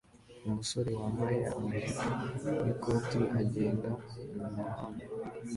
Umusore wambaye amajipo n'ikoti agenda mumuhanda